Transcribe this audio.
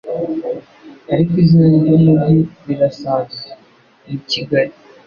Ariko izina ry'umujyi rirasanzwe ni kigali